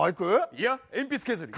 いや鉛筆削り。